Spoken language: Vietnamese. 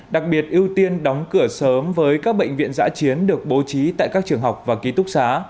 đặc biệt ưu tiên đóng cửa sớm với các bệnh viện giã chiến được bố trí tại các trường học và ký túc xá